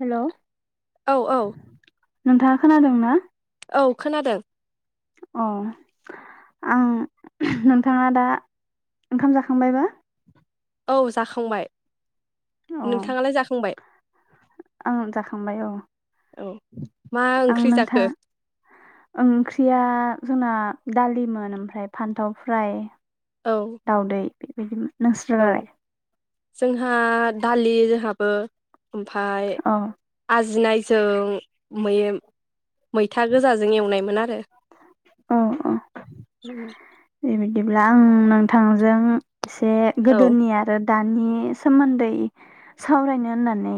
Hello औ औ। नोंथाङा खोनादों ना। औ खोनादों। अ आं नोंथाङा दा ओंखाम जाखांबायबा। औ जाखांबाय। अ नोंथाङालाय जाखांबाय आं जाखांबाय अ औ मा आं ओंख्रि जाखो नोंथां ओंख्रिया। जोंना दालिमोन ओमफ्राय फान्थाव फ्राय। औ दावदै। बेबायदिनो। औ जोंहा दालि जोंहाबो। ओमफ्राय औ आजोनाय जों‌ [unintelligible] मैथा गोजाजों एवनायमोन आरो। औ औ थांजों एसे औ गोदोनि आरो दानि सोमोन्दै सावरायनो होननानै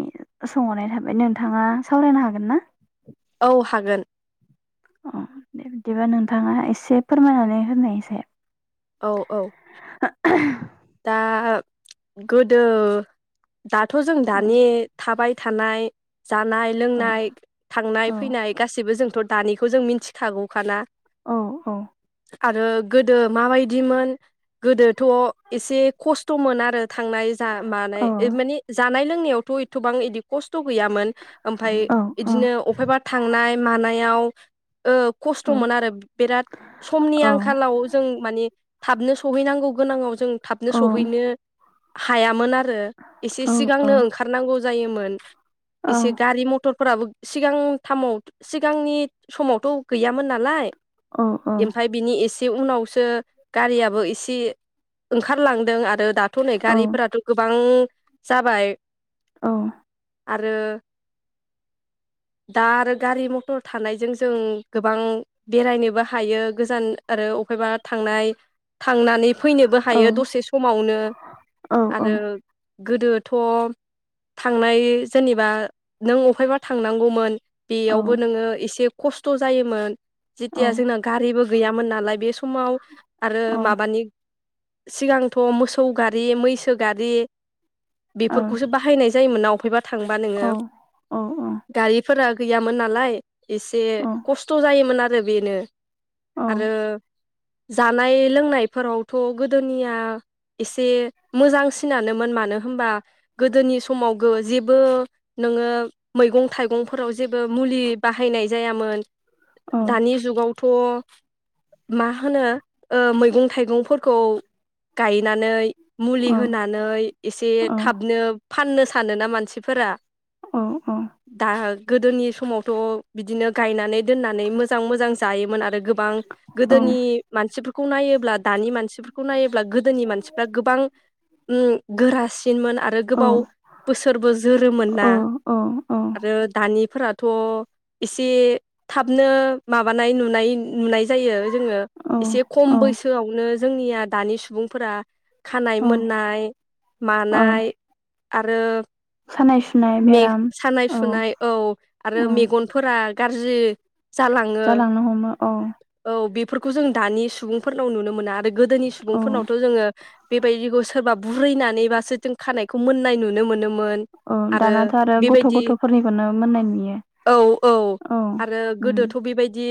सोंहरनाय थाबाय नोंथांङा सावरायनो हागोन ना औ हागोन अ दे बिदिबा नोंथांङा एसे फोरमायनानै होनायसाइ औ औ दा गोदो दाथ जों औ दानि थाबाय थानाय जानाय औ लोंनाय औ थांनाय फैनाय गासिबो जोंथ दानिखौ जों मिथिखागौखाना औ औ आरो गोदो माबाय दिमोन गोदोथ एसे खस्थमोन आरो थांनाय जा माबानाय ओ माने जानाय लोंनायावथ एथबां इदि खस्थ‌ गैयामोन ओमफाय इदिनो वबहायबा थांनाय मानाय इयाव ओ खस्थमोन आरो बिराद समनि आंखालाव जों मानिे थाबनो सहैनांगौ गोनांङाव जों थाबनो सहैनो हायामोन आरो ओ एसे सिगांनो ओंखारनांगौ जायोमोन एसे गारि मथरफोराबो सिगांथामाव सिगांनि समावथ गैयामोन नालाय ओमफाय बिनि एसे बे उनावसो गारियाबो इसे ओंखारलांदों आरो दाथ नै गारिफोराथ गोबां जाबाय औ आरो दा आरो गारि मथर थानायजों जों गोबां बेरायनोबो हायो गोजान आरो बहेबा थांनाय थांनानै फैनोबो औ हायो दसे समावनो आरो गोदोथ थांनाय जेनेबा नों अहायबा थांनांगौमोन बेयावबो नोंङो एसे खस्थ' जायोमोन जथिया जोंना गारिबो गैयामोन नालाय बे समाव आरो माबानि सिगांथ' मोसौ गारि मैसो गारि बेफोरखौसो बाहायनाय जायो जोमोना अफेबा थांबा नोङो औ औ गारिफोरा गैयामोन नालाय एसे खस्थ' जायोमोन आरो बेनो आरो जानाय लोंनायफोरावथ' गोदोनिया एसे मोजांसिनानोमोन मानो होनबा गोदोनि समाव जेबो नोङो मैगं थाइगंफोराव जेबो मुलि बाहायनाय जायामोन दानि जुगावथ' मा होनो ओ मैगं थाइगंफोरखौ गायनानै मुलि होनानै एसे थाबनो फाननो सानोना मानसिफोरा औ औ दा गोदोनि समावथ' बिदिनो गायनानै दोननानै मोजां मोजां जायोमोन आरो गो बां गोदोनि मानसिफोरखौ नायोब्ला दानि मानसिफोरखौ नायोब्ला गोदोनि मानसिफ्रा गोबां ओम गो ट्रासट नमोन आरो गोबाव बोसोरबो जोरोमोन ना आरो दानिफोरा' थ' एसे थाबनो माबानाय नुनाय नुनाय जायो जोङो एसे खम बैसोआवनो जोंनिया दानि सुबुंफोरा खानाय मोननाय मानाय आरो सानाय सुनाय मेग बेराम सानाय औ सुनाय औ आरो औ मेगनफोरा गाज्रि जालाङो जालांनो हमो औ खौ जों दानि सुबुंफोरनाव नुनो मोना आरो गोदोनि औ सुबुंफोरनावथ' जोङो बेबायदिखौ सोरबा बुरैनानैबासो जों खानायखौ मोननाय नुनो मोनोमोन मोन औ आरो दानाथ' गथ' बेबायदि गथ'फोरनिखौनो मोननाय नुयो औ औ आरो उम गोदोथ' बेबायदि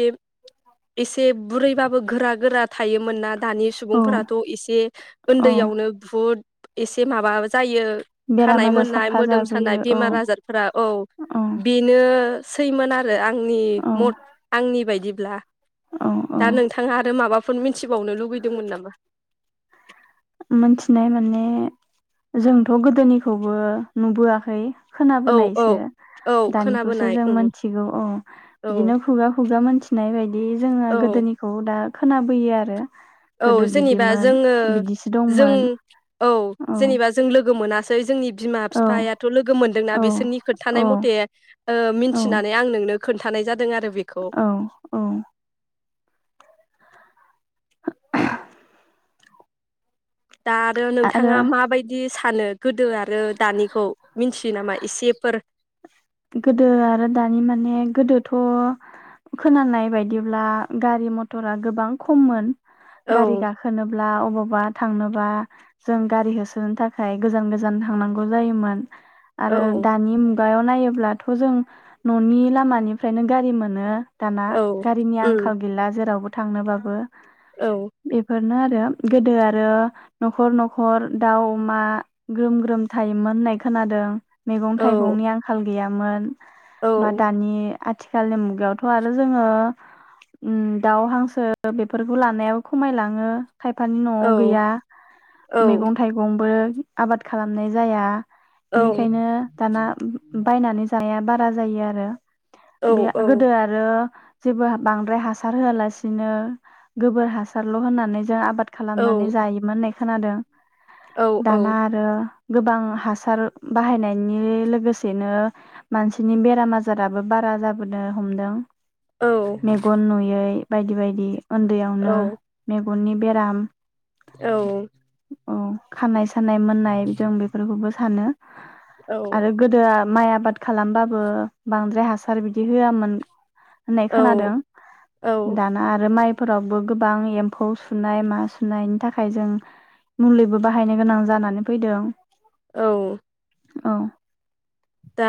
एसे बुरैबाबो गोरा गोरा थायोमोन ना दानि औ सुबुंफोराथ' एसे औ उन्दैयावनो बहुद एसे माबा जायो बेराम खानाय आजार मोननाय साफा मोदोम सानाय जाबोयो औ बेमार आजारफोरा औ औ बेनो सैमोना आंनि औ मुद आंनि बायदि ब्ला औ औ दा नोंथाङा आरो माबा फोर मिथिबावनो लुबैदोंमोन नामा? मोन थिनाय माने जोंथ' गोदोनि खौबो नुबो आखै। खोना औ औ बोनायसो औ दानिखौसो खोनाबोनाय जों उम मोनथिगौ औ औ बिदिनो खुगा खुगा मोनथिनाय बायदि जोङो औ गोदोनिखौ दा खोनाबोयो आरो। औ गोदो जेनेबा बिदिमोन जोङो बिदिसो जों दंमोन औ जेनेबा जों लोगो गो मोनासै जोंनि बिमा औ बिफायाथ' लोगो मोनदोंना औ बिसोरनि औ खोथानाय मथे ओ औ मिथिनानै आं नोंनो खोन्थानाय जाद औ औ। दा आरो नोंथाङा माबायदि फानो गोदो आरो दानिखौ मिथियो नामा एसे फोर? गोदो आरो दानि माने गोदोथ' खोनानाय बायदिब्ला गारि मथरा गोबां खममोन। गारि औ गाखोनोब्ला अबावबा थांनोबा जों गारि होसोनो थाखाय गोजान गोजान थांनांगौ जायोमोन। आरो औ दानि मुगायाव नायो ब्लाथ' जों न'नि लामा निफ्रायनो गारि मोनो। दाना औ गारिनि उम आंखाल गैला जेरावबो। थांनो बाबो। औ। नो आरो गोदो आरो नखर नखर दाउ अमा ग्रोम ग्रोम थायोमोन होननाय खोनादों। मैगं औ थाइगंनि आंखाल गैयामोन। औ बा दानि आथिखालनि मुगायावथ' आरो जोङो ओम दाउ हांसो बेफोरखौ लानायाबो खमायलाङो। खायफानि नआव औ गैया औ मैगं थाइगंबो आबाद खालामनाय जाया। बिनिखायनो दाना बायनानै जायाबा बा जायो आरो। औ बे औ गोदो आरो। जेबो बांद्राय हासार होआलासिनो गोबोर हासारल होननानै जों आबाद खालामनानै जायोमोन नै खोनादों। औ दाना औ आरो गोबां हासार बाहायनायनि लोगोसे बेसेनो मानसिनि बेराम आजाराबो बारा जाबोनो हमदों। मेगन नुयै बायदि बायदि। बिदि उन्दैयावनो मेगननि बेराम औ खानाय साननाय मोननाय जों बेफोरखौबो सानो। औ। -दो माइ आबाद खालामबाबो बांद्राय हासार बिदि होआमोन। होननाय खोनादों औ दाना आरो माइ फोरावबो गोबां एम्फौ सुनाय मा सुनायनि थाखाय जों मुलिबो बाहायनो गोनां जानानै फैदों। औ। औ। दा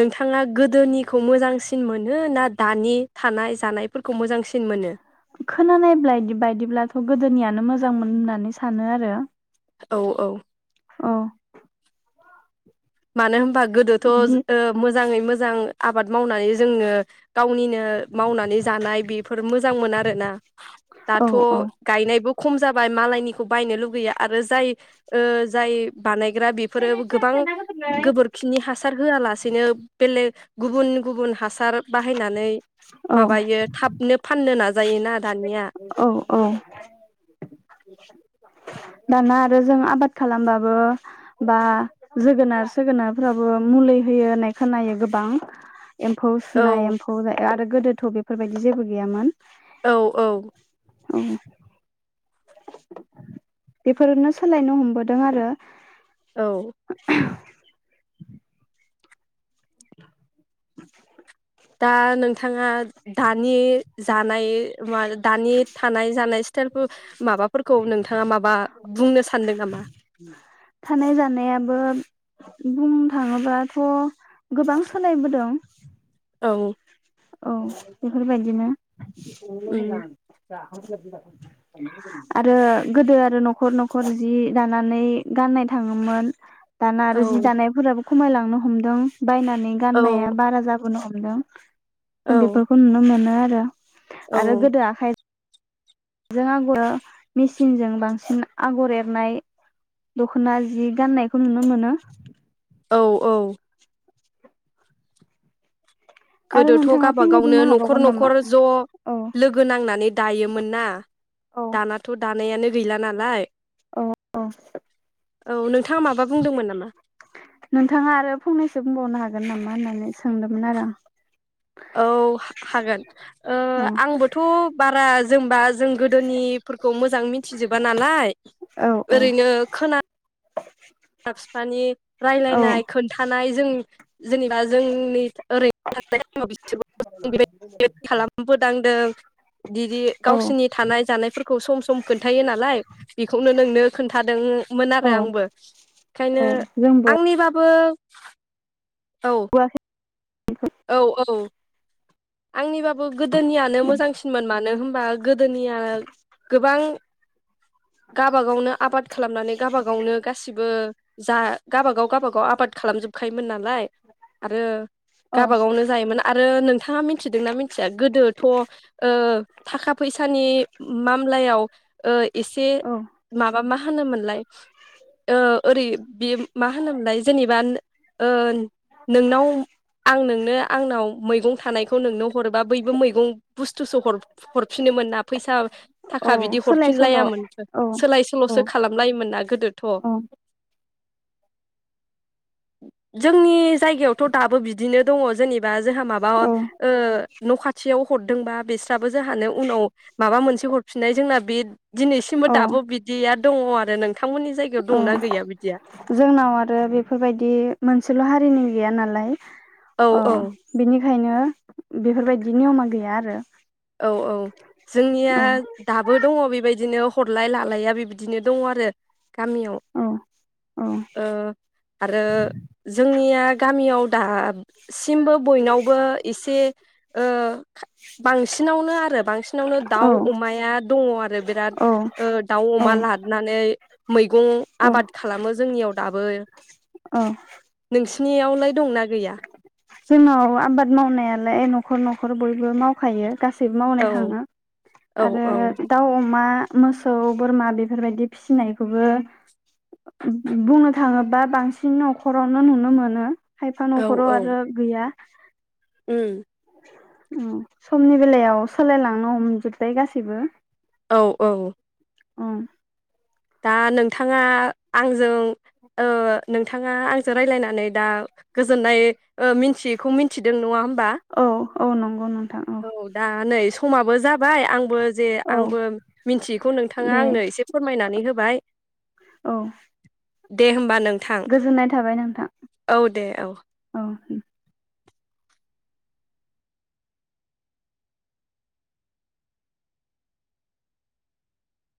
नोंथाङा गोदोनिखौ मोजांसिन मोनो ना दानि थानाय जानायफोरखौ मोजांसिन मोनो। खोनानाय बायदिब्लाथ गोदोनियानो मोजांमोन होननानै सानो आरो। औ औ। औ। मानो होनबा गोदोथ बिदि मोजाङै मोजां मोजां आबाद मावनानै जोंनो गावनिनो मावनानै जानाय बेफोर मोजांमोन आरोना। औ दाथ' गायनायबो खम जाबाय मालायनिखौ बायनो लुगैयो आरो जाय ओ जाय बानायग्रा बेफोरो गोबां गोबोरखिनि हासार होआलासेनो बेलेग गुबुन गुबुन हासार बाहायनानै औ माबायो थाबनो फाननो नाज औ औ। दाना आरो जों आबाद खालामबाबो बा जोगोनार सोगोनारफ्रावबो मुलि होयो होननाय खोनायो गोबां। एम्फौ सुनाय औ एम्फौ जायो आरो गोदोथ' बेफोरबायदि जेबो गैयामोन। औ औ औ बेफोरनो सोलायनो हमबोदों आरो औ [unintelligible] [inaudible] दा नोंथाङा दानि जा नाय मानो दानि थानाय जानाय स्टाइल फोर माबाफोरखौ नोंथाङा माबा बुंनो सानदों नामा? थानाय जानायाबो बुंनो थाङोब्लाथ' गोबां सोलायबोदों। औ उ औ बेफोरबायदिनो। सिबनोल' मोजां उम दा ओ जोबनाय आरो गोदो आरो न'खर न'खर जि दानानै गाननाय थाङोमोन। दाना औ आरो जि दानायफोराबो खमायलांनो हमदों। बायनानै औ गाननाया बारा जाबोनो हम हेलौ जों औ बेफोरखौ नुनो मोनो आर रो औ आरो गोदो आखाय जों आगरा मेसिनजों बांसिन आगर एरनाय दख'ना जि गान्नायखौ नुनो मोनो। औ औ आरो गोदोथ' नोंथाङा फंनै गावबागावनो बुंनो न'खर हाबावगोन नामा न'खर ज' औ लोगो नांनानै दायोमोन ना दानाथ' दा नैयानो गैला नालाय। औ औ औ नोंथाङा माबा बुंदोंमोन नामा? नोंथाङा आरो फंनैसो बुंबावनो हाग गोन नामा होननानै सोंदोंमोन आरो आं। औ हा-हागोन ओ आं आंबोथ' बारा ज जोंबाज जों गोदोनिफोरखौ मोजां मिथिजोबा नालाय औ औ ओरैनो खोना बिमा फिफानि औ रायलायनाय खोन्थानाय जों जेनेबा जोंनि ओरैबाय [unintelligible] खालामबोदांदों बिदि औ गावसोरनि थानाय जानायफोरखौ सम सम खोन्थायो नालाय बेखौनो नोंनो खोन्थादोंमोन आरो औ आंबो। ओंखायनो औ जोंबो आंनि बाबो बोब बुआखै औ औ आंनि बाब बो गोदोनियानो मोजांसिनमोन मानो होन हेनबा गोदोनिया गोबां गाबा गावनो आबाद खालामनानै गाबा गावनो गासिब बो जा गाबागाव गावाबागाव आबाद खालामजोबखायोमोन नालाय आरो गावाबागावनो जायोमोन आरो नोंथाङा मिथिदोंना मिथिया गोदोथ' ओ थाखा फैसानि मामलायाव ओ एसे औ माबा मा होनोमोन लाय ओ ओरै बे मा होनोमोनलाय जेनेबा ओ नोंनाव आं नोंनो आंनाव मैगं थानायखौ नोंनो हरोबा बयबो मैगं बुस्थुसो हर-हरफिनोमोन ना फैसा औ थाखा बिदि सोलाय सोल' औ हरफिनलायामोन औ सोलाय औ सोल'सो खालामलायोमोनना गोदोथ' औ जोंनि जायगायावथ' दाबो बिद बिदिनो दङ जेने बा जोंहा माबा ओ न' खाथियाव हरदोंबा बेस दाबो जोंहानो उनाव माबा मोनसे हद फिनाय जोंना बे दिनैसिमबो औ दाबो बिदिया दङ आरो नोंथांमोननि जायगायाव औ दंना गैया बिदिया जोंनाव आरो बेफोरबायदि मोनसेल' हारिनि गैया नालाय औ अ औ बेनिखा खायनो बेफोरबायदि नियमा गैया आरो । औ औ जोंनिया दाबो दङ बेबायदिनो हरलाय लालाया बेबायदिनो दङ आरो । गामियाव औ औ ओ आरो जोंनिया गाम याव दा सिमबो बयनावबो एसे ओ बां सिनावनो आरो बांसिन बिसिनावनो औ दाउ अमाया दङ आरो बिराद औ ओ दाउ औ अमा लादनानै मैगं आबाद खालामो जोंनियाव दाबो । अ नोंसिनियावलाय दंना गैया? जोंनाव आबाद मावनायालाय न'खर न'खर बयबो मावखायो । गासैबो मावनो औ थाङो । औ आरो औ दाउ अमा मोसौ बोरमा बेफोरबायदि फिसिनायखौबो बुंनो थाङोबा बांसिन न'खरावनो नुनो मोनो । खायफा औ न'खराव औ आरो गैया । [inaudible] उम ओम समनि बेलायाव सोलायलांनो हमजोबबाय गासैबो । औ औ ओम दा नोंथाङा आंजों ओ नों नोंथाङा आंजों रायज्लायनानै दा गोजोननाय ओ मिथियैखौ मिथिदों नङा होम औ औ नंगौ नोंथां औ दा नै समाबो जाबाय आंबो जे औ आंबो मिन्थियैखौ नोंथाङा दे आंनो एसे फोरमायनानै होबाय औ दे होम गोजोननाय थाबाय नोंथां औ दे औ। औ होम